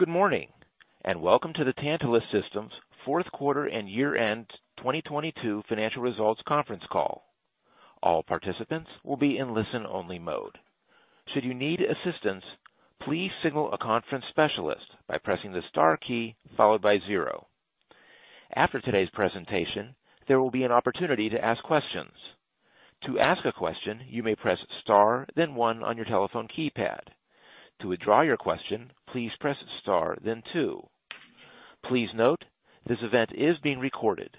Good morning, and welcome to the Tantalus Systems fourth quarter and year-end 2022 financial results conference call. All participants will be in listen-only mode. Should you need assistance, please signal a conference specialist by pressing the star key followed by zero. After today's presentation, there will be an opportunity to ask questions. To ask a question, you may press star then one on your telephone keypad. To withdraw your question, please press star then two. Please note, this event is being recorded.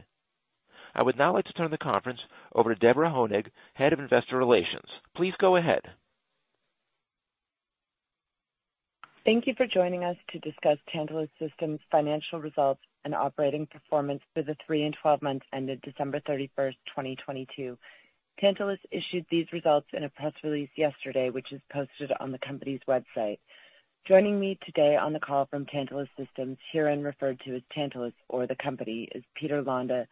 I would now like to turn the conference over to Deborah Honig, Head of Investor Relations. Please go ahead. Thank you for joining us to discuss Tantalus Systems' financial results and operating performance for the three and 12 months ended December 31st, 2022. Tantalus issued these results in a press release yesterday, which is posted on the company's website. Joining me today on the call from Tantalus Systems, herein referred to as Tantalus or the company, is Peter Londa,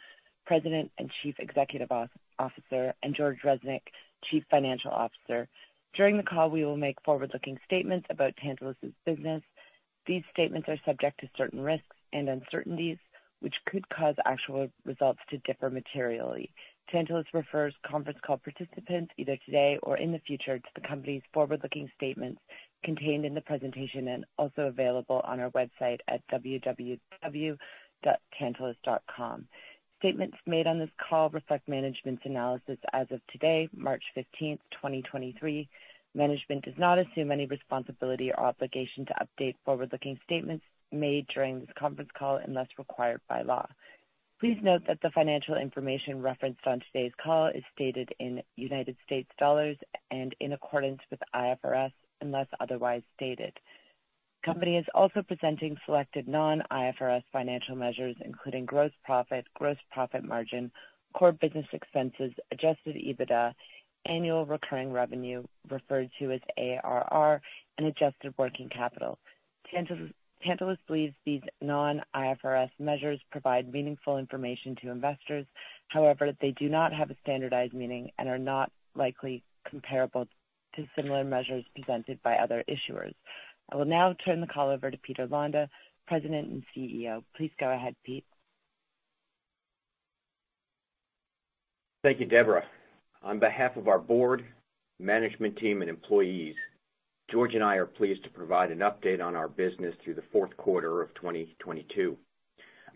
President and Chief Executive Officer, and George Reznik, Chief Financial Officer. During the call, we will make forward-looking statements about Tantalus' business. These statements are subject to certain risks and uncertainties, which could cause actual results to differ materially. Tantalus refers conference call participants, either today or in the future, to the company's forward-looking statements contained in the presentation and also available on our website at www.tantalus.com. Statements made on this call reflect management's analysis as of today, March 15th, 2023. Management does not assume any responsibility or obligation to update forward-looking statements made during this conference call unless required by law. Please note that the financial information referenced on today's call is stated in United States dollars and in accordance with IFRS, unless otherwise stated. Company is also presenting selected non-IFRS financial measures, including Gross Profit, Gross Profit Margin, core business expenses, Adjusted EBITDA, Annual Recurring Revenue referred to as ARR, and Adjusted Working Capital. Tantalus believes these non-IFRS measures provide meaningful information to investors. However, they do not have a standardized meaning and are not likely comparable to similar measures presented by other issuers. I will now turn the call over to Peter Londa, President and CEO. Please go ahead, Pete. Thank you, Deborah. On behalf of our board, management team, and employees, George and I are pleased to provide an update on our business through the fourth quarter of 2022.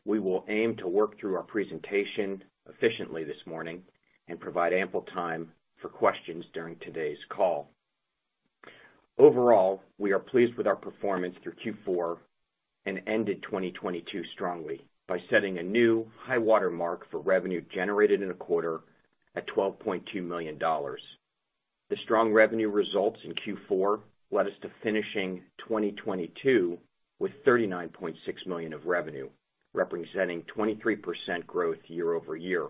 We will aim to work through our presentation efficiently this morning and provide ample time for questions during today's call. Overall, we are pleased with our performance through Q4 and ended 2022 strongly by setting a new high-water mark for revenue generated in a quarter at $12.2 million. The strong revenue results in Q4 led us to finishing 2022 with $39.6 million of revenue, representing 23% growth year-over-year.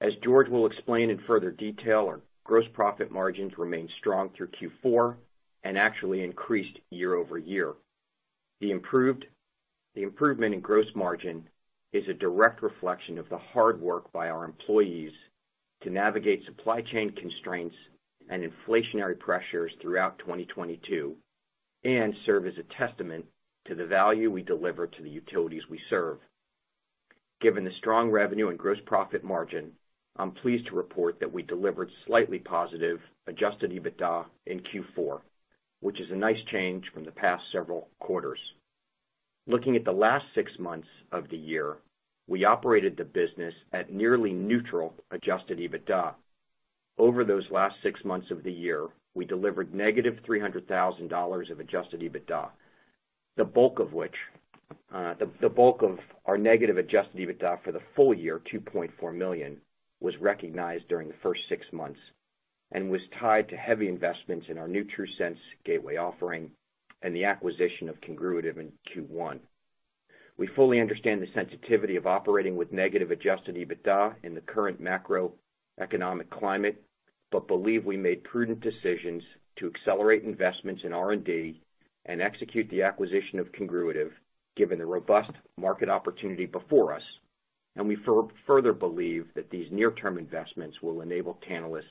As George will explain in further detail, our Gross Profit margins remained strong through Q4 and actually increased year-over-year. The improvement in gross margin is a direct reflection of the hard work by our employees to navigate supply chain constraints and inflationary pressures throughout 2022 and serve as a testament to the value we deliver to the utilities we serve. Given the strong revenue and gross profit margin, I'm pleased to report that we delivered slightly positive Adjusted EBITDA in Q4, which is a nice change from the past several quarters. Looking at the last six months of the year, we operated the business at nearly neutral Adjusted EBITDA. Over those last six months of the year, we delivered negative $300,000 of Adjusted EBITDA, the bulk of which, the bulk of our negative Adjusted EBITDA for the full year, $2.4 million, was recognized during the first six months and was tied to heavy investments in our new TRUSense Gateway offering and the acquisition of Congruitive in Q1. We fully understand the sensitivity of operating with negative Adjusted EBITDA in the current macroeconomic climate, believe we made prudent decisions to accelerate investments in R&D and execute the acquisition of Congruitive, given the robust market opportunity before us. We further believe that these near-term investments will enable Tantalus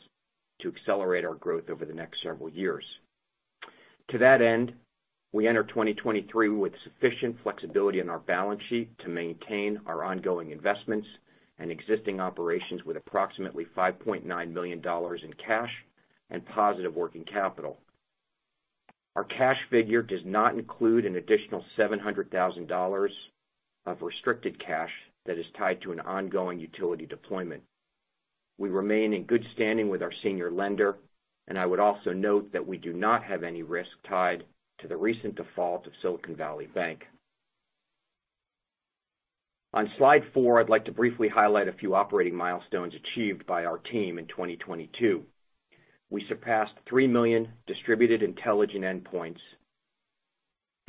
to accelerate our growth over the next several years. To that end, we enter 2023 with sufficient flexibility in our balance sheet to maintain our ongoing investments and existing operations with approximately $5.9 million in cash and positive working capital. Our cash figure does not include an additional $700,000 of restricted cash that is tied to an ongoing utility deployment. We remain in good standing with our senior lender. I would also note that we do not have any risk tied to the recent default of Silicon Valley Bank. On slide four, I'd like to briefly highlight a few operating milestones achieved by our team in 2022. We surpassed 3 million distributed intelligent endpoints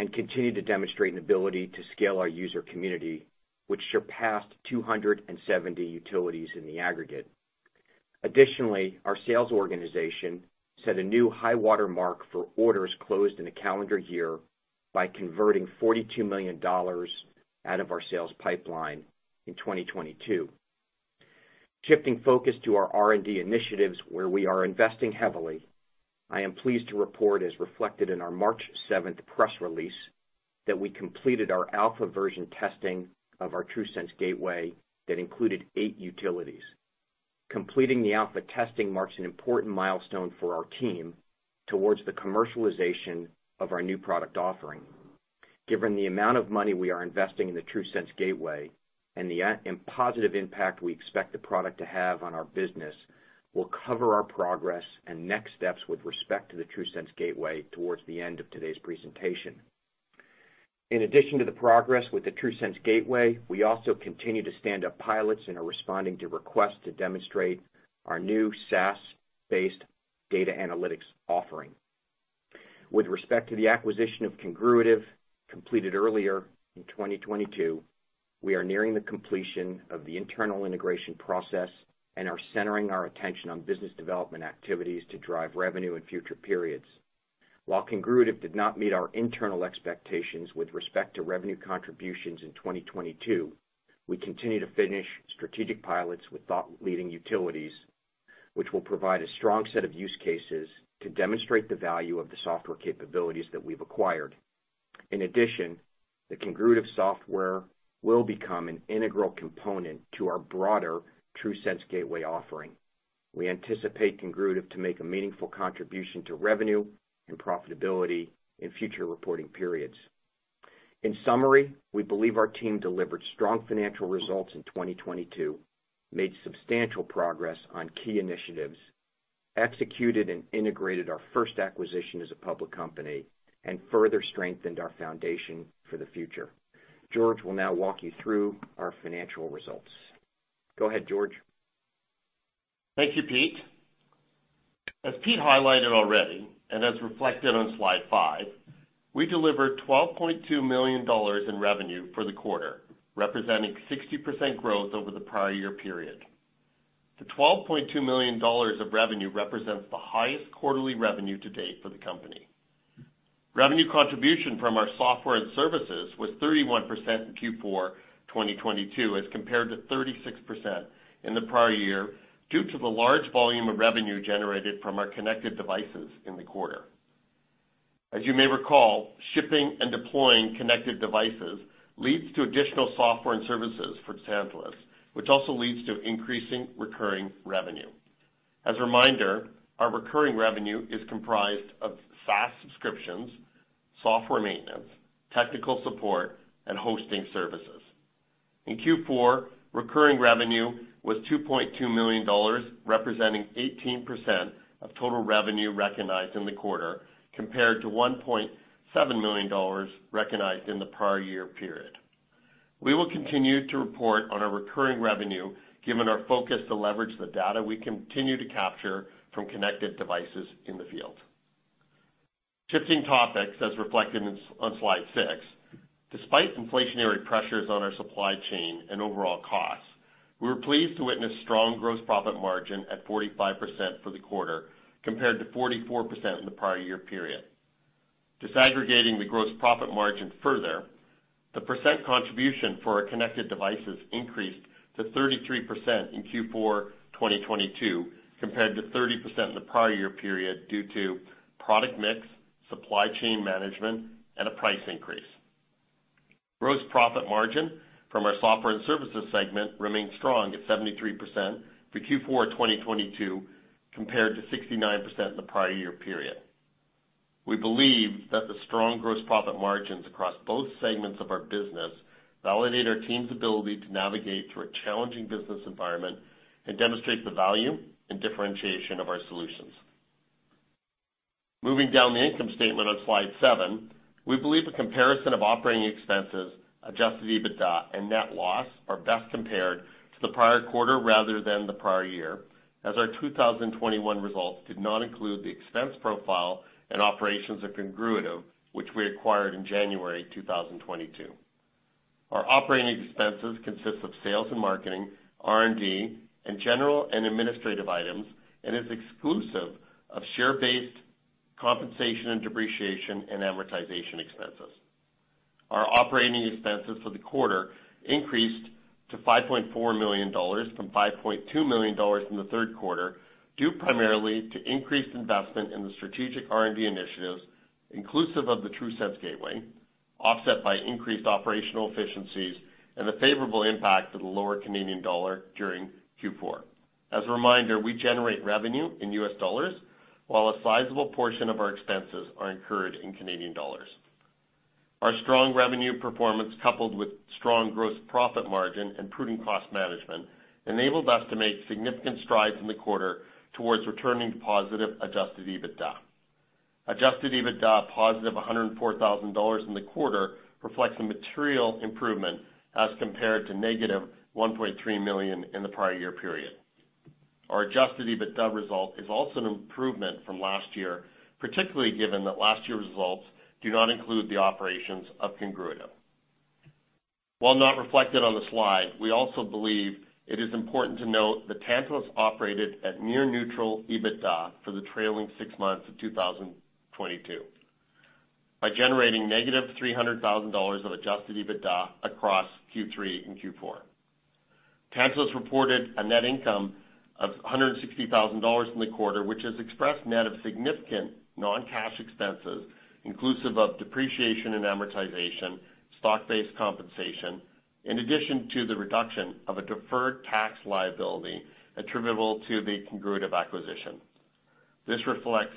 and continued to demonstrate an ability to scale our user community, which surpassed 270 utilities in the aggregate. Additionally, our sales organization set a new high-water mark for orders closed in a calendar year by converting $42 million out of our sales pipeline in 2022. Shifting focus to our R&D initiatives where we are investing heavily, I am pleased to report as reflected in our March seventh press release, that we completed our alpha version testing of our TRUSense Gateway that included eight utilities. Completing the alpha testing marks an important milestone for our team towards the commercialization of our new product offering. Given the amount of money we are investing in the TRUSense Gateway and the positive impact we expect the product to have on our business, we'll cover our progress and next steps with respect to the TRUSense Gateway towards the end of today's presentation. In addition to the progress with the TRUSense Gateway, we also continue to stand up pilots and are responding to requests to demonstrate our new SaaS-based data analytics offering. With respect to the acquisition of Congruitive, completed earlier in 2022, we are nearing the completion of the internal integration process and are centering our attention on business development activities to drive revenue in future periods. While Congruitive did not meet our internal expectations with respect to revenue contributions in 2022, we continue to finish strategic pilots with thought leading utilities, which will provide a strong set of use cases to demonstrate the value of the software capabilities that we've acquired. In addition, the Congruitive software will become an integral component to our broader TRUSense Gateway offering. We anticipate Congruitive to make a meaningful contribution to revenue and profitability in future reporting periods. In summary, we believe our team delivered strong financial results in 2022, made substantial progress on key initiatives, executed and integrated our first acquisition as a public company, and further strengthened our foundation for the future. George will now walk you through our financial results. Go ahead, George. Thank you, Pete. As Pete highlighted already, and as reflected on slide five, we delivered $12.2 million in revenue for the quarter, representing 60% growth over the prior year period. The $12.2 million of revenue represents the highest quarterly revenue to date for the company. Revenue contribution from our software and services was 31% in Q4 2022 as compared to 36% in the prior year, due to the large volume of revenue generated from our connected devices in the quarter. As you may recall, shipping and deploying connected devices leads to additional software and services for Tantalus, which also leads to increasing recurring revenue. As a reminder, our recurring revenue is comprised of SaaS subscriptions, software maintenance, technical support, and hosting services. In Q4, recurring revenue was $2.2 million, representing 18% of total revenue recognized in the quarter, compared to $1.7 million recognized in the prior year period. We will continue to report on our recurring revenue, given our focus to leverage the data we continue to capture from connected devices in the field. Shifting topics as reflected on slide six. Despite inflationary pressures on our supply chain and overall costs, we were pleased to witness strong Gross Profit margin at 45% for the quarter, compared to 44% in the prior year period. Disaggregating the Gross Profit margin further, the percent contribution for our connected devices increased to 33% in Q4 2022, compared to 30% in the prior year period due to product mix, supply chain management, and a price increase. Gross profit margin from our software and services segment remained strong at 73% for Q4 2022, compared to 69% in the prior year period. We believe that the strong gross profit margins across both segments of our business validate our team's ability to navigate through a challenging business environment and demonstrate the value and differentiation of our solutions. Moving down the income statement on slide seven, we believe a comparison of operating expenses, Adjusted EBITDA and net loss are best compared to the prior quarter rather than the prior year, as our 2021 results did not include the expense profile and operations of Congruitive, which we acquired in January 2022. Our operating expenses consist of sales and marketing, R&D, and general and administrative items, and is exclusive of share-based compensation and depreciation and amortization expenses. Our operating expenses for the quarter increased to $5.4 million from $5.2 million in the third quarter, due primarily to increased investment in the strategic R&D initiatives, inclusive of the TRUSense Gateway, offset by increased operational efficiencies and the favorable impact of the lower Canadian dollar during Q4. As a reminder, we generate revenue in U.S. dollars, while a sizable portion of our expenses are incurred in Canadian dollars. Our strong revenue performance, coupled with strong Gross Profit margin and prudent cost management, enabled us to make significant strides in the quarter towards returning to positive Adjusted EBITDA. Adjusted EBITDA positive $104,000 in the quarter reflects a material improvement as compared to negative $1.3 million in the prior year period. Our Adjusted EBITDA result is also an improvement from last year, particularly given that last year's results do not include the operations of Congruitive. While not reflected on the slide, we also believe it is important to note that Tantalus operated at near neutral EBITDA for the trailing six months of 2022, generating -$300,000 of Adjusted EBITDA across Q3 and Q4. Tantalus reported a net income of $160,000 in the quarter, which is expressed net of significant non-cash expenses, inclusive of depreciation and amortization, share-based compensation, in addition to the reduction of a deferred tax liability attributable to the Congruitive acquisition. This reflects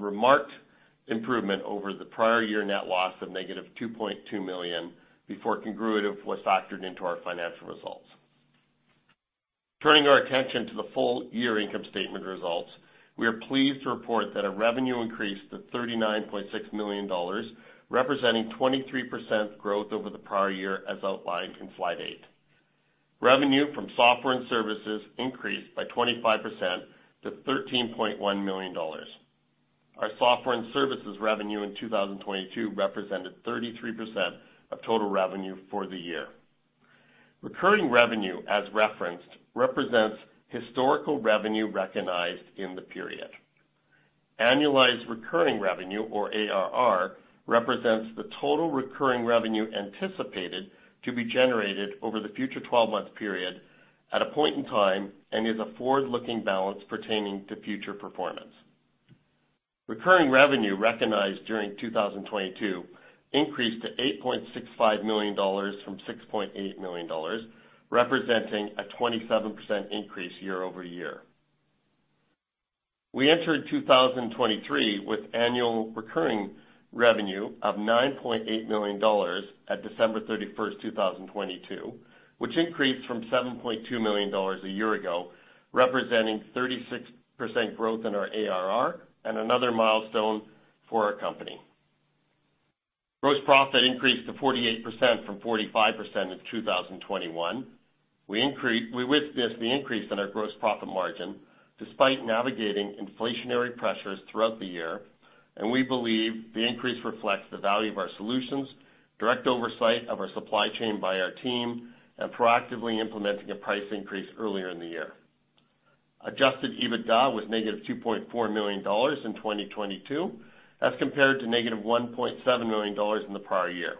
remarked improvement over the prior year net loss of -$2.2 million before Congruitive was factored into our financial results. Turning our attention to the full-year income statement results, we are pleased to report that our revenue increased to $39.6 million, representing 23% growth over the prior year as outlined in slide eight. Revenue from software and services increased by 25% to $13.1 million. Our software and services revenue in 2022 represented 33% of total revenue for the year. Recurring revenue, as referenced, represents historical revenue recognized in the period. Annualized Recurring Revenue or ARR represents the total recurring revenue anticipated to be generated over the future 12-month period at a point in time and is a forward-looking balance pertaining to future performance. Recurring revenue recognized during 2022 increased to $8.65 million from $6.8 million, representing a 27% increase year-over-year. We entered 2023 with annual recurring revenue of $9.8 million at December 31, 2022, which increased from $7.2 million a year ago, representing 36% growth in our ARR and another milestone for our company. Gross profit increased to 48% from 45% in 2021. We witnessed the increase in our Gross Profit margin despite navigating inflationary pressures throughout the year, and we believe the increase reflects the value of our solutions, direct oversight of our supply chain by our team, and proactively implementing a price increase earlier in the year. Adjusted EBITDA was -$2.4 million in 2022, as compared to -$1.7 million in the prior year.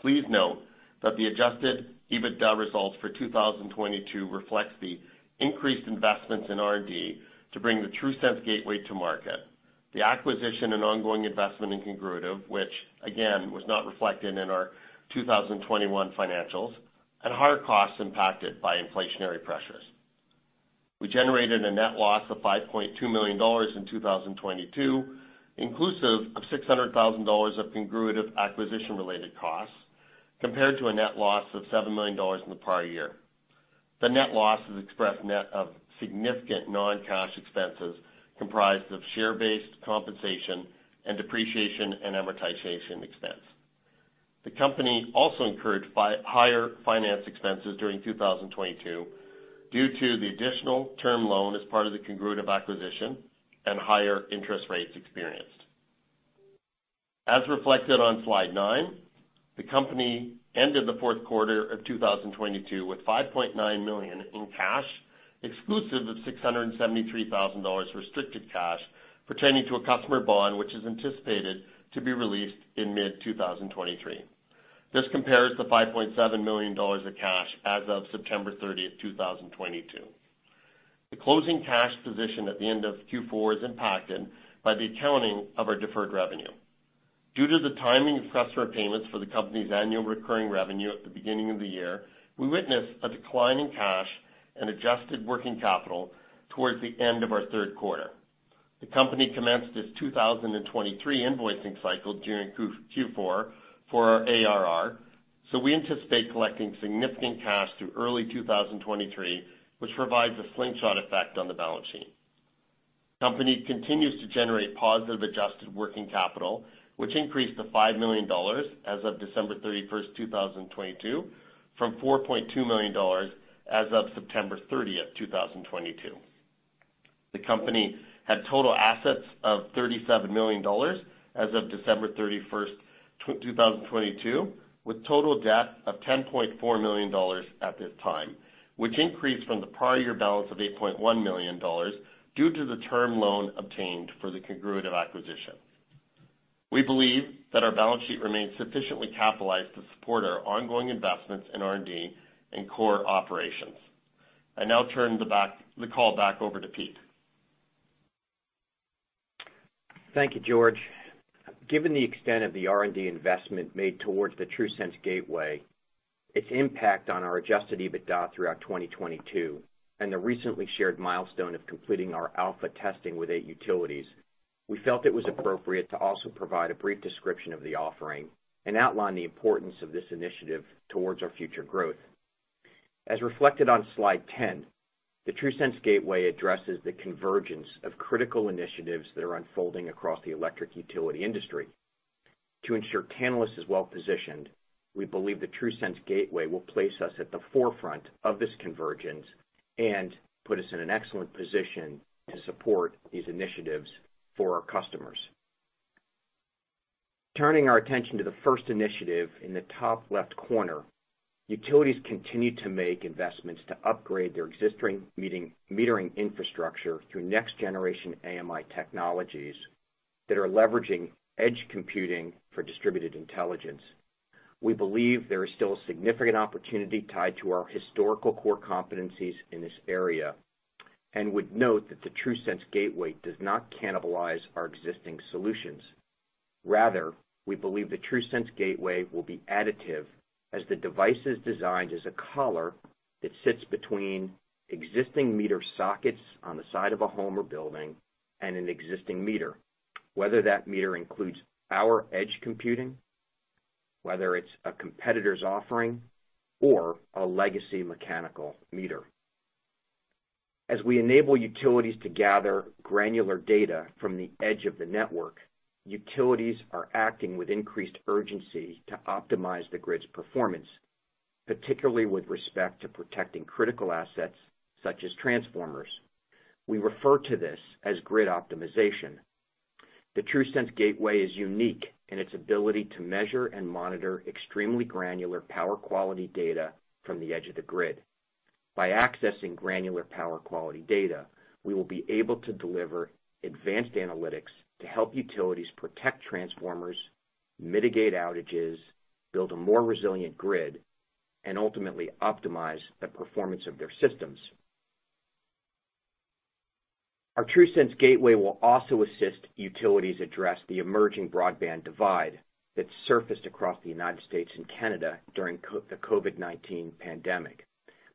Please note that the Adjusted EBITDA results for 2022 reflects the increased investments in R&D to bring the TRUSense Gateway to market, the acquisition and ongoing investment in Congruitive, which again, was not reflected in our 2021 financials, and higher costs impacted by inflationary pressures. We generated a net loss of $5.2 million in 2022, inclusive of $600,000 of Congruitive acquisition-related costs, compared to a net loss of $7 million in the prior year. The net loss is expressed net of significant non-cash expenses comprised of share-based compensation and depreciation and amortization expense. The company also incurred higher finance expenses during 2022 due to the additional term loan as part of the Congruitive acquisition and higher interest rates experienced. As reflected on slide nine, the company ended the fourth quarter of 2022 with $5.9 million in cash, exclusive of $673,000 restricted cash pertaining to a customer bond, which is anticipated to be released in mid-2023. This compares to $5.7 million of cash as of September 30, 2022. The closing cash position at the end of Q4 is impacted by the accounting of our deferred revenue. Due to the timing of customer payments for the company's annual recurring revenue at the beginning of the year, we witnessed a decline in cash and adjusted working capital towards the end of our third quarter. The company commenced its 2023 invoicing cycle during Q4 for our ARR. We anticipate collecting significant cash through early 2023, which provides a slingshot effect on the balance sheet. Company continues to generate positive Adjusted Working Capital, which increased to $5 million as of December 31, 2022, from $4.2 million as of September 30, 2022. The company had total assets of $37 million as of December 31, 2022, with total debt of $10.4 million at this time, which increased from the prior year balance of $8.1 million due to the term loan obtained for the Congruitive acquisition. We believe that our balance sheet remains sufficiently capitalized to support our ongoing investments in R&D and core operations. I now turn the call back over to Pete. Thank you, George. Given the extent of the R&D investment made towards the TRUSense Gateway, its impact on our Adjusted EBITDA throughout 2022, and the recently shared milestone of completing our alpha testing with eight utilities, we felt it was appropriate to also provide a brief description of the offering and outline the importance of this initiative towards our future growth. As reflected on slide 10, the TRUSense Gateway addresses the convergence of critical initiatives that are unfolding across the electric utility industry. To ensure Tantalus is well-positioned, we believe the TRUSense Gateway will place us at the forefront of this convergence and put us in an excellent position to support these initiatives for our customers. Turning our attention to the first initiative in the top left corner Utilities continue to make investments to upgrade their existing metering infrastructure through next-generation AMI technologies that are leveraging edge computing for distributed intelligence. We believe there is still a significant opportunity tied to our historical core competencies in this area and would note that the TRUSense Gateway does not cannibalize our existing solutions. Rather, we believe the TRUSense Gateway will be additive as the device is designed as a collar that sits between existing meter sockets on the side of a home or building and an existing meter, whether that meter includes our edge computing, whether it's a competitor's offering, or a legacy mechanical meter. As we enable utilities to gather granular data from the edge of the network, utilities are acting with increased urgency to optimize the grid's performance, particularly with respect to protecting critical assets, such as transformers. We refer to this as grid optimization. The TRUSense Gateway is unique in its ability to measure and monitor extremely granular power quality data from the edge of the grid. By accessing granular power quality data, we will be able to deliver advanced analytics to help utilities protect transformers, mitigate outages, build a more resilient grid, and ultimately optimize the performance of their systems. Our TRUSense Gateway will also assist utilities address the emerging broadband divide that surfaced across the United States and Canada during the COVID-19 pandemic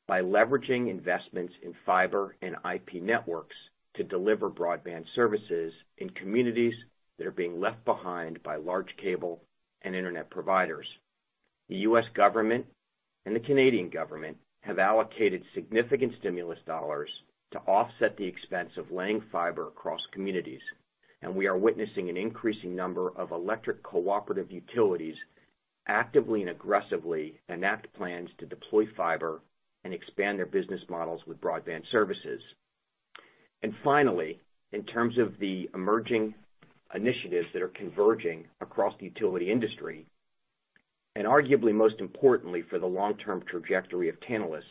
by leveraging investments in fiber and IP networks to deliver broadband services in communities that are being left behind by large cable and internet providers. The U.S. government and the Canadian government have allocated significant stimulus dollars to offset the expense of laying fiber across communities, and we are witnessing an increasing number of electric cooperative utilities actively and aggressively enact plans to deploy fiber and expand their business models with broadband services. Finally, in terms of the emerging initiatives that are converging across the utility industry, and arguably most importantly for the long-term trajectory of Tantalus,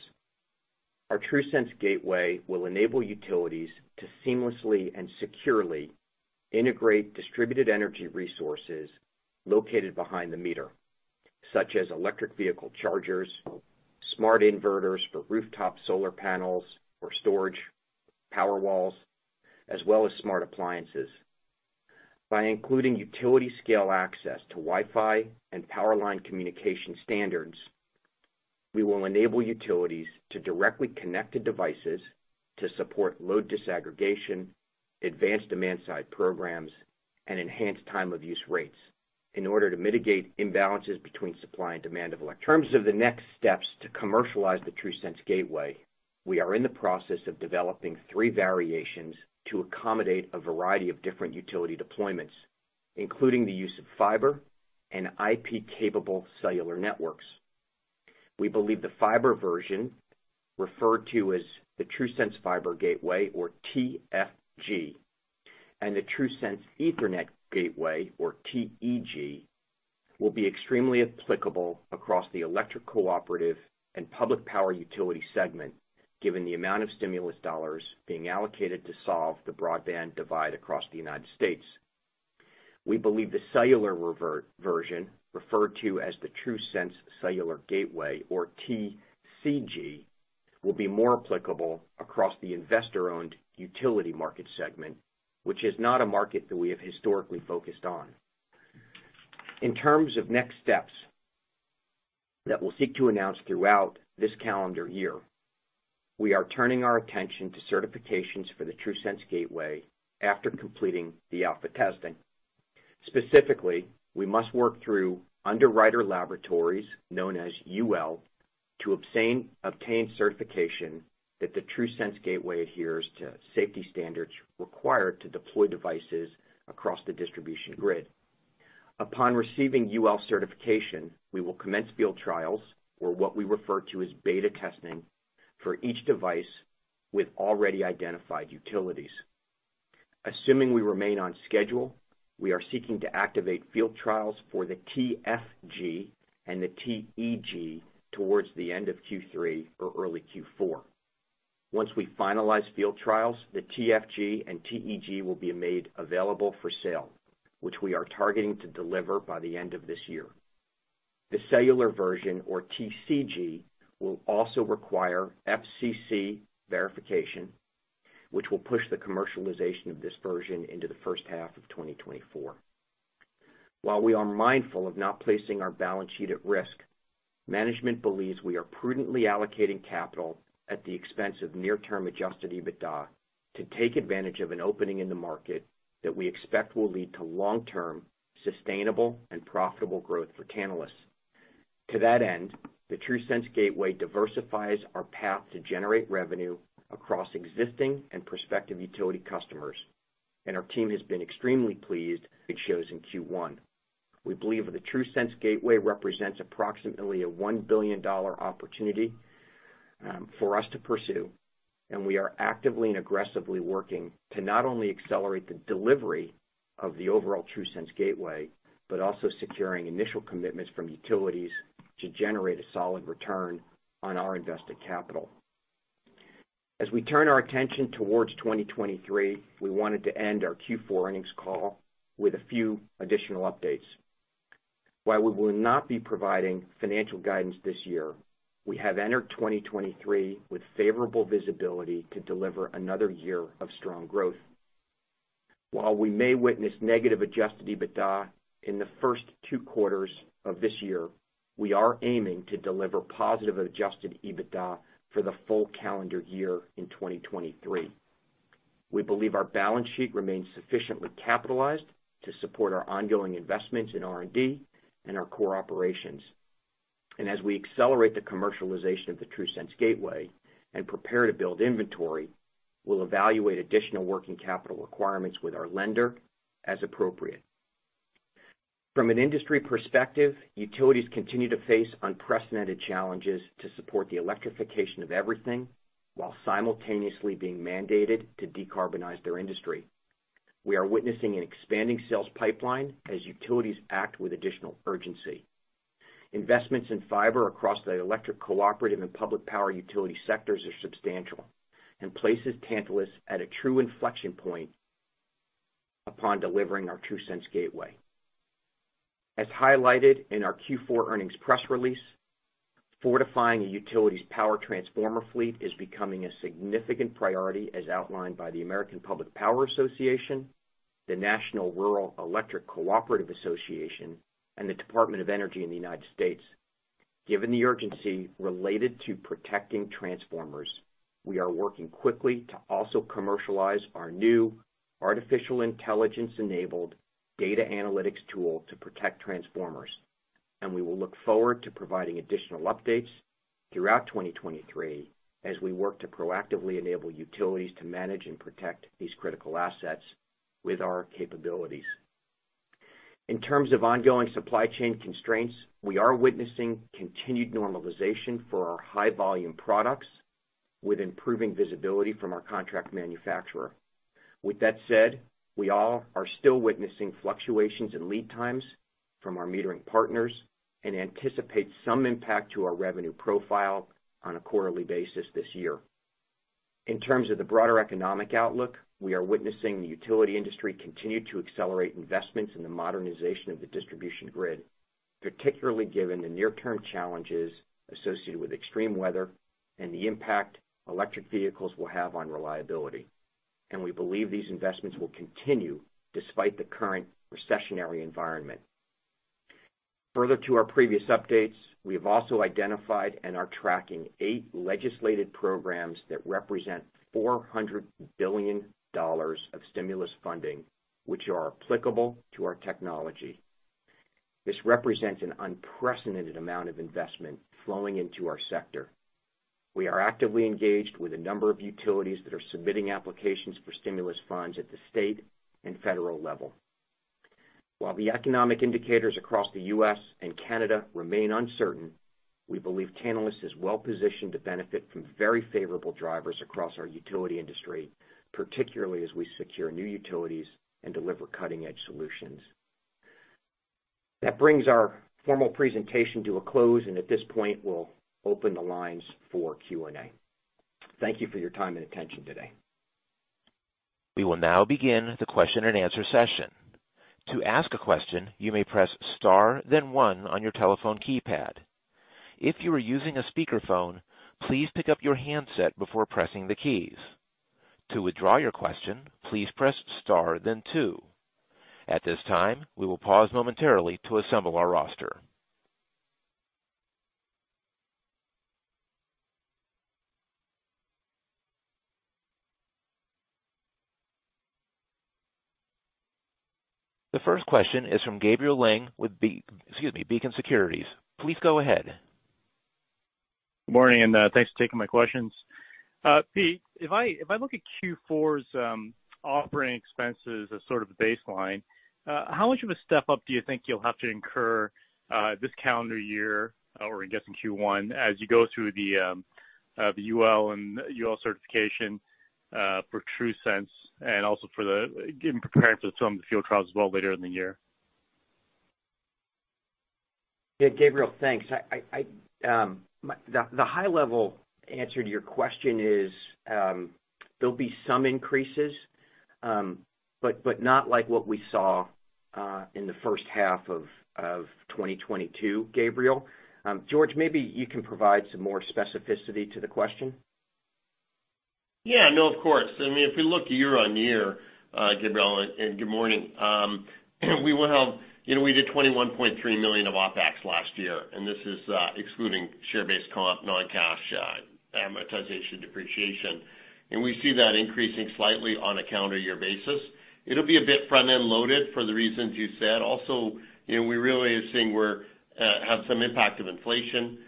our TRUSense Gateway will enable utilities to seamlessly and securely integrate distributed energy resources located behind the meter, such as electric vehicle chargers, smart inverters for rooftop solar panels or storage, power walls, as well as smart appliances. By including utility-scale access to Wi-Fi and Power Line Communication standards, we will enable utilities to directly connect the devices to support load disaggregation, advanced demand-side programs, and enhanced time of use rates in order to mitigate imbalances between supply and demand. In terms of the next steps to commercialize the TRUSense Gateway, we are in the process of developing three variations to accommodate a variety of different utility deployments, including the use of fiber and IP-capable cellular networks. We believe the fiber version, referred to as the TRUSense Fiber Gateway, or TFG, and the TRUSense Ethernet Gateway, or TEG, will be extremely applicable across the electric cooperative and public power utility segment, given the amount of stimulus dollars being allocated to solve the broadband divide across the United States. We believe the cellular version, referred to as the TRUSense Cellular Gateway, or TCG, will be more applicable across the investor-owned utility market segment, which is not a market that we have historically focused on. In terms of next steps that we'll seek to announce throughout this calendar year, we are turning our attention to certifications for the TRUSense Gateway after completing the alpha testing. Specifically, we must work through Underwriters Laboratories, known as UL, to obtain certification that the TRUSense Gateway adheres to safety standards required to deploy devices across the distribution grid. Upon receiving UL certification, we will commence field trials or what we refer to as beta testing for each device with already identified utilities. Assuming we remain on schedule, we are seeking to activate field trials for the TFG and the TEG towards the end of Q3 or early Q4. Once we finalize field trials, the TFG and TEG will be made available for sale, which we are targeting to deliver by the end of this year. The cellular version, or TCG, will also require FCC verification, which will push the commercialization of this version into the first half of 2024. While we are mindful of not placing our balance sheet at risk, management believes we are prudently allocating capital at the expense of near-term Adjusted EBITDA to take advantage of an opening in the market that we expect will lead to long-term, sustainable, and profitable growth for Tantalus. To that end, the TRUSense Gateway diversifies our path to generate revenue across existing and prospective utility customers. Our team has been extremely pleased it shows in Q1. We believe the TRUSense Gateway represents approximately a $1 billion opportunity. For us to pursue, we are actively and aggressively working to not only accelerate the delivery of the overall TRUSense Gateway, but also securing initial commitments from utilities to generate a solid return on our invested capital. We turn our attention towards 2023, we wanted to end our Q4 earnings call with a few additional updates. While we will not be providing financial guidance this year, we have entered 2023 with favorable visibility to deliver another year of strong growth. While we may witness negative Adjusted EBITDA in the first two quarters of this year, we are aiming to deliver positive Adjusted EBITDA for the full calendar year in 2023. We believe our balance sheet remains sufficiently capitalized to support our ongoing investments in R&D and our core operations. As we accelerate the commercialization of the TRUSense Gateway and prepare to build inventory, we'll evaluate additional working capital requirements with our lender as appropriate. From an industry perspective, utilities continue to face unprecedented challenges to support the electrification of everything while simultaneously being mandated to decarbonize their industry. We are witnessing an expanding sales pipeline as utilities act with additional urgency. Investments in fiber across the electric cooperative and public power utility sectors are substantial and places Tantalus at a true inflection point upon delivering our TRUSense Gateway. As highlighted in our Q4 earnings press release, fortifying a utility's power transformer fleet is becoming a significant priority as outlined by the American Public Power Association, the National Rural Electric Cooperative Association, and the Department of Energy in the United States. Given the urgency related to protecting transformers, we are working quickly to also commercialize our new artificial intelligence-enabled data analytics tool to protect transformers, and we will look forward to providing additional updates throughout 2023 as we work to proactively enable utilities to manage and protect these critical assets with our capabilities. In terms of ongoing supply chain constraints, we are witnessing continued normalization for our high-volume products with improving visibility from our contract manufacturer. With that said, we all are still witnessing fluctuations in lead times from our metering partners and anticipate some impact to our revenue profile on a quarterly basis this year. In terms of the broader economic outlook, we are witnessing the utility industry continue to accelerate investments in the modernization of the distribution grid, particularly given the near-term challenges associated with extreme weather and the impact electric vehicles will have on reliability. We believe these investments will continue despite the current recessionary environment. Further to our previous updates, we have also identified and are tracking 8 legislated programs that represent $400 billion of stimulus funding which are applicable to our technology. This represents an unprecedented amount of investment flowing into our sector. We are actively engaged with a number of utilities that are submitting applications for stimulus funds at the state and federal level. While the economic indicators across the U.S. and Canada remain uncertain, we believe Tantalus is well-positioned to benefit from very favorable drivers across our utility industry, particularly as we secure new utilities and deliver cutting-edge solutions. That brings our formal presentation to a close, and at this point, we'll open the lines for Q&A. Thank you for your time and attention today. We will now begin the question-and-answer session. To ask a question, you may press star then one on your telephone keypad. If you are using a speakerphone, please pick up your handset before pressing the keys. To withdraw your question, please press star then two. At this time, we will pause momentarily to assemble our roster. The first question is from Gabriel Lang with Beacon Securities. Please go ahead. Good morning, thanks for taking my questions. Pete, if I look at Q4's operating expenses as sort of the baseline, how much of a step-up do you think you'll have to incur this calendar year or I'm guessing Q1 as you go through the UL and UL certification for TRUSense and also for the, in preparing for some of the field trials as well later in the year? Yeah, Gabriel, thanks. I, the high-level answer to your question is, there'll be some increases, but not like what we saw in the first half of 2022, Gabriel. George, maybe you can provide some more specificity to the question. Yeah, no, of course. I mean, if we look year-on-year, Gabriel, good morning, we will have, you know, we did $21.3 million of OpEx last year. This is, excluding share-based comp, non-cash, amortization depreciation. We see that increasing slightly on a calendar year basis. It'll be a bit front-end loaded for the reasons you said. You know, we really are seeing we have some impact of inflation,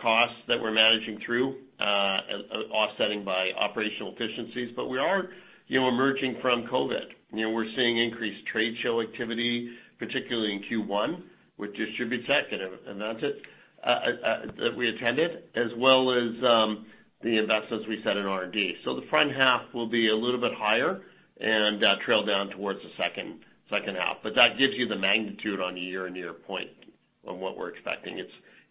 costs that we're managing through. Offsetting by operational efficiencies. We are, you know, emerging from COVID. You know, we're seeing increased trade show activity, particularly in Q1, which distributes that, and that's it that we attended, as well as the investments we set in R&D. The front half will be a little bit higher and trail down towards the second half. That gives you the magnitude on a year-over-year point on what we're expecting.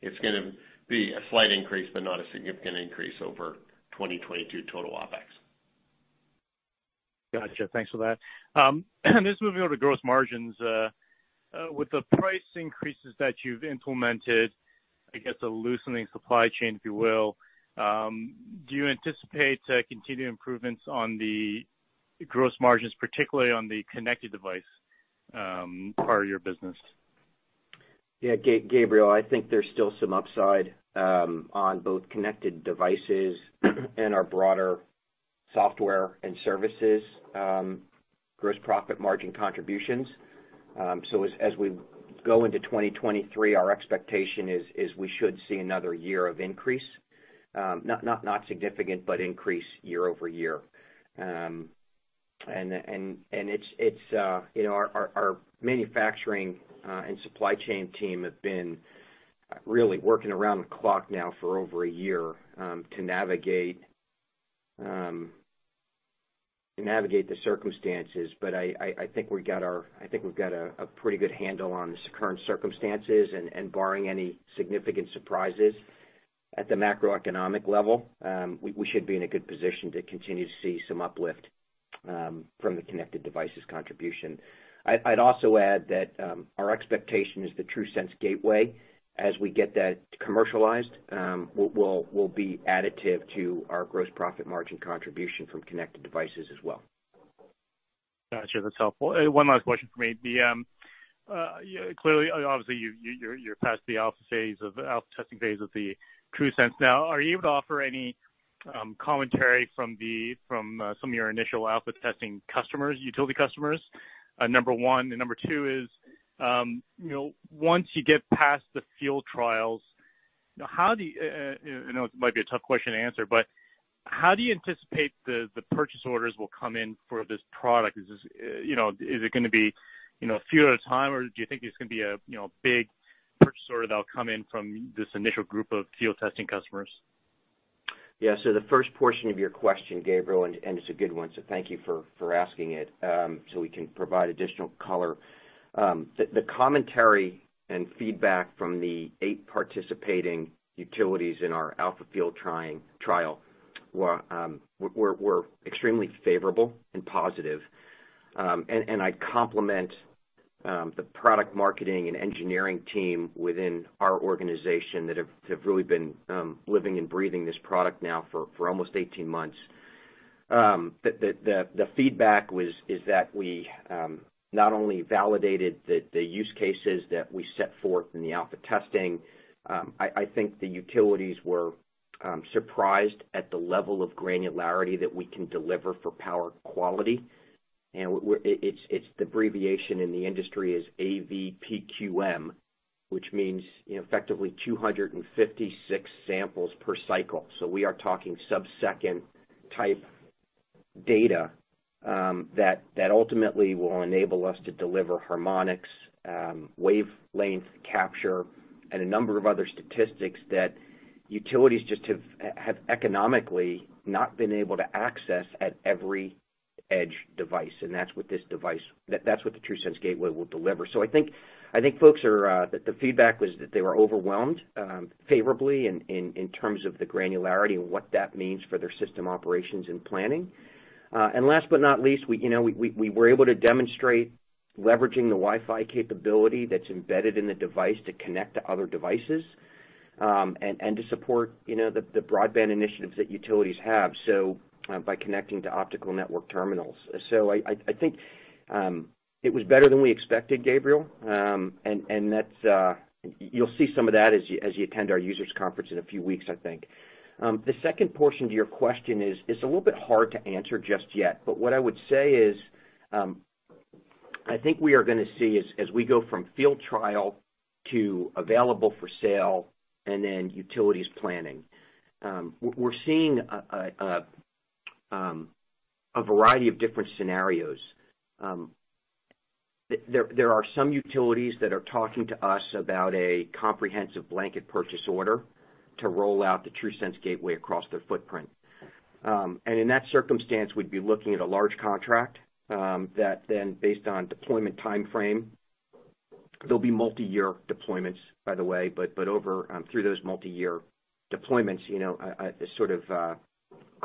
It's gonna be a slight increase, but not a significant increase over 2022 total OpEx. Gotcha. Thanks for that. just moving on to gross margins, with the price increases that you've implemented, I guess a loosening supply chain, if you will, do you anticipate continued improvements on the gross margins, particularly on the connected device, part of your business? Yeah, Gabriel, I think there's still some upside on both connected devices and our broader software and services, gross profit margin contributions. So as we go into 2023, our expectation is we should see another year of increase, not significant, but increase year-over-year. It's, you know, our manufacturing and supply chain team have been really working around the clock now for over a year to navigate the circumstances. I think we've got a pretty good handle on the current circumstances and barring any significant surprises at the macroeconomic level, we should be in a good position to continue to see some uplift from the connected devices contribution. I'd also add that our expectation is the TRUSense Gateway, as we get that commercialized, will be additive to our Gross Profit margin contribution from connected devices as well. Gotcha. That's helpful. One last question for me. Clearly, obviously, you're past the alpha testing phase of the TRUSense now. Are you able to offer any commentary from some of your initial alpha testing customers, utility customers, number one? Number two is, you know, once you get past the field trials, how do you, I know this might be a tough question to answer, but how do you anticipate the purchase orders will come in for this product? Is this, you know, is it gonna be, you know, a few at a time, or do you think it's gonna be a, you know, big purchase order that'll come in from this initial group of field testing customers? Yeah. The first portion of your question, Gabriel, and it's a good one, thank you for asking it, we can provide additional color. The commentary and feedback from the eight participating utilities in our alpha field trial were extremely favorable and positive. I compliment the product marketing and engineering team within our organization that have really been living and breathing this product now for almost 18 months. The feedback is that we not only validated the use cases that we set forth in the alpha testing, I think the utilities were surprised at the level of granularity that we can deliver for power quality. It's the abbreviation in the industry is AVPQM, which means effectively 256 samples per cycle. We are talking subsecond type data, that ultimately will enable us to deliver harmonics, wavelength capture, and a number of other statistics that utilities just have economically not been able to access at every edge device. That's what this device, that's what the TRUSense Gateway will deliver. I think folks are, the feedback was that they were overwhelmed, favorably in terms of the granularity and what that means for their system operations and planning. Last but not least, we, you know, we were able to demonstrate leveraging the Wi-Fi capability that's embedded in the device to connect to other devices, and to support, you know, the broadband initiatives that utilities have, by connecting to optical network terminals. I think, it was better than we expected, Gabriel. That's, you'll see some of that as you attend our users conference in a few weeks, I think. The second portion to your question is a little bit hard to answer just yet, what I would say is, I think we are gonna see as we go from field trial to available for sale and then utilities planning, we're seeing a variety of different scenarios. There are some utilities that are talking to us about a comprehensive blanket purchase order to roll out the TRUSense Gateway across their footprint. In that circumstance, we'd be looking at a large contract that based on deployment timeframe, they'll be multi-year deployments, by the way. Over through those multi-year deployments, you know, sort of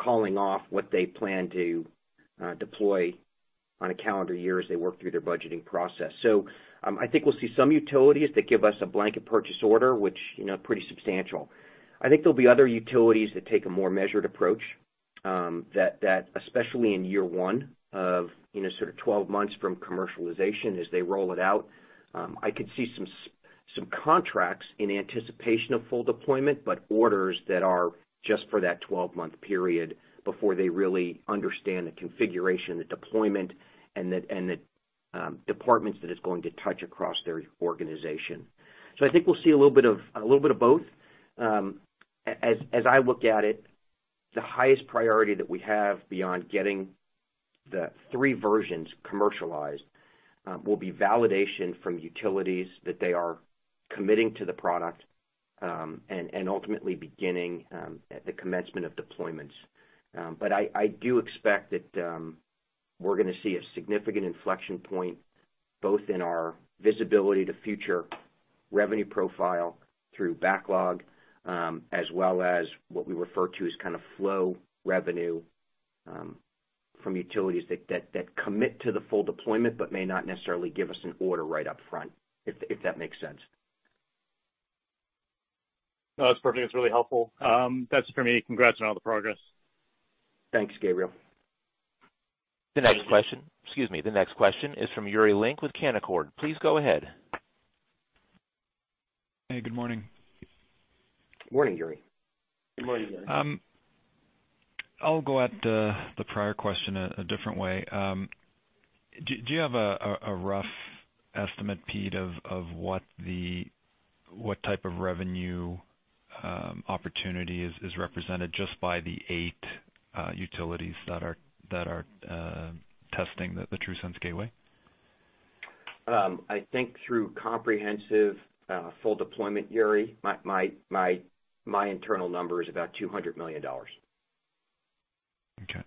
calling off what they plan to deploy on a calendar year as they work through their budgeting process. I think we'll see some utilities that give us a blanket purchase order, which, you know, pretty substantial. I think there'll be other utilities that take a more measured approach that especially in year one of, you know, sort of 12 months from commercialization as they roll it out. I could see some contracts in anticipation of full deployment, but orders that are just for that 12-month period before they really understand the configuration, the deployment, and the, and the departments that it's going to touch across their organization. I think we'll see a little bit of, a little bit of both. As I look at it, the highest priority that we have beyond getting the three versions commercialized, will be validation from utilities that they are committing to the product, and ultimately beginning at the commencement of deployments. I do expect that, we're gonna see a significant inflection point, both in our visibility to future revenue profile through backlog, as well as what we refer to as kind of flow revenue, from utilities that commit to the full deployment but may not necessarily give us an order right up front, if that makes sense. It's really helpful. That's it for me. Congrats on all the progress. Thanks, Gabriel. Excuse me, the next question is from Yuri Lynk with Canaccord. Please go ahead. Hey, good morning. Morning, Yuri. Good morning, Yuri. I'll go at the prior question a different way. Do you have a rough estimate, Pete, of what type of revenue opportunity is represented just by the eight utilities that are testing the TRUSense Gateway? I think through comprehensive, full deployment, Yuri, my internal number is about $200 million. Okay.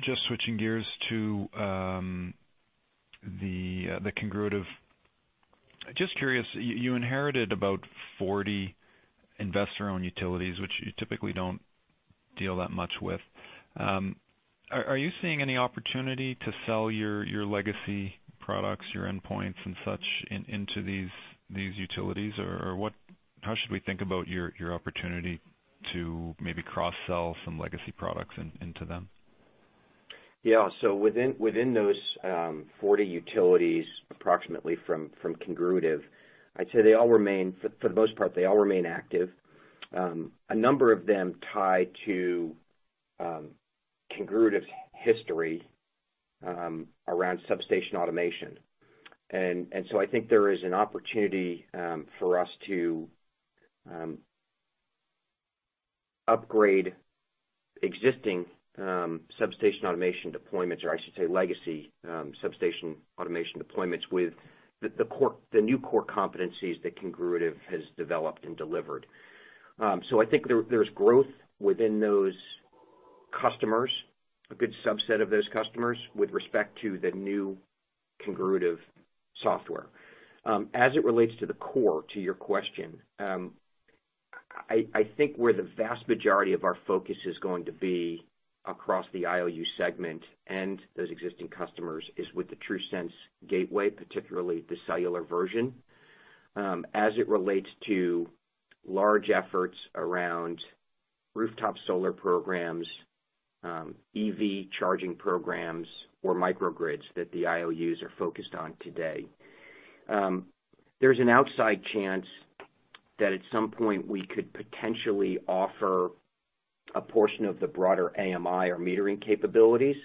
Just switching gears to the Congruitive. Just curious, you inherited about 40 investor-owned utilities, which you typically don't deal that much with. Are you seeing any opportunity to sell your legacy products, your endpoints and such into these utilities? Or what, how should we think about your opportunity to maybe cross-sell some legacy products into them? Within those 40 utilities, approximately from Congruitive, I'd say they all remain. For the most part, they all remain active. A number of them tie to Congruitive's history around Substation Automation. I think there is an opportunity for us to upgrade existing Substation Automation deployments, or I should say legacy Substation Automation deployments with the new core competencies that Congruitive has developed and delivered. I think there's growth within those customers, a good subset of those customers, with respect to the new Congruitive software. As it relates to the core, to your question, I think where the vast majority of our focus is going to be across the IOU segment and those existing customers is with the TRUSense Gateway, particularly the cellular version, as it relates to large efforts around rooftop solar programs, EV charging programs or microgrids that the IOUs are focused on today. There's an outside chance that at some point we could potentially offer a portion of the broader AMI or metering capabilities.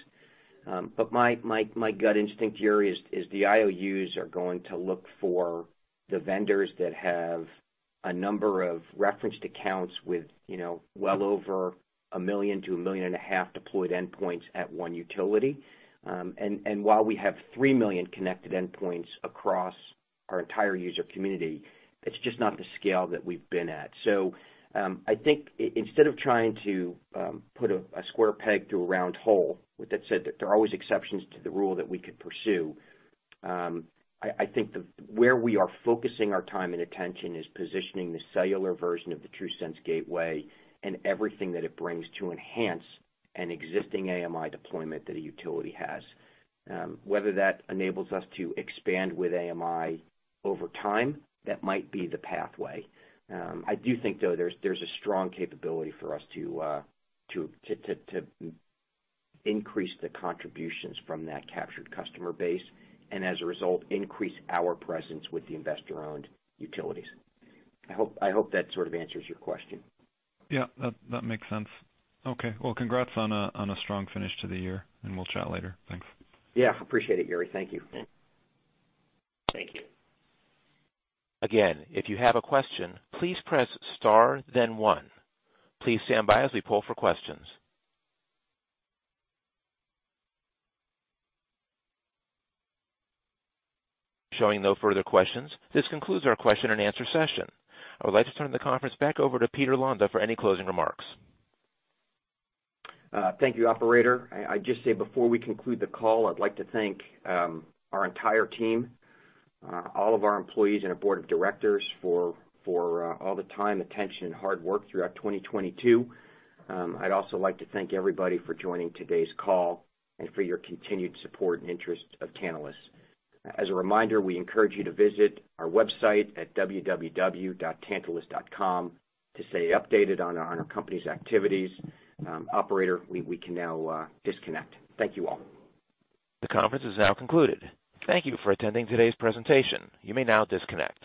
My gut instinct, Yuri, is the IOUs are going to look for the vendors that have a number of referenced accounts with, you know, well over $1 million-$1.5 million deployed endpoints at one utility. While we have 3 million connected endpoints across our entire user community, it's just not the scale that we've been at. Instead of trying to put a square peg through a round hole, with that said, there are always exceptions to the rule that we could pursue, I think where we are focusing our time and attention is positioning the cellular version of the TRUSense Gateway and everything that it brings to enhance an existing AMI deployment that a utility has. Whether that enables us to expand with AMI over time, that might be the pathway. I do think, though, there's a strong capability for us to increase the contributions from that captured customer base and as a result, increase our presence with the investor-owned utilities. I hope that sort of answers your question. Yeah, that makes sense. Okay. Well, congrats on a strong finish to the year. We'll chat later. Thanks. Yeah, appreciate it, Yuri. Thank you. Thank you. Again, if you have a question, please press star then one. Please stand by as we poll for questions. Showing no further questions. This concludes our question and answer session. I would like to turn the conference back over to Peter Londa for any closing remarks. Thank you, operator. I just say before we conclude the call, I'd like to thank our entire team, all of our employees and our board of directors for all the time, attention, and hard work throughout 2022. I'd also like to thank everybody for joining today's call and for your continued support and interest of Tantalus. As a reminder, we encourage you to visit our website at www.tantalus.com to stay updated on our company's activities. Operator, we can now disconnect. Thank you all. The conference is now concluded. Thank you for attending today's presentation. You may now disconnect.